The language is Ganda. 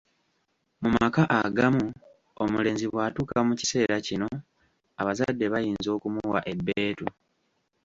Mu maka agamu omulenzi bwatuuka mu kiseera kino abazadde bayinza okumuwa ebbeetu.